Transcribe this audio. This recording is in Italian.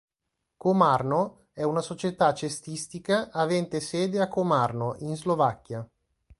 Komárno è una società cestistica avente sede a Komárno, in Slovacchia.